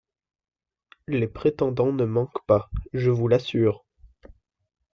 Les prétendants ne manquent pas, je vous l’assure!...